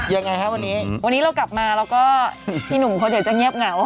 ยังไงฮะวันนี้วันนี้เรากลับมาแล้วก็พี่หนุ่มเขาเดี๋ยวจะเงียบเหงา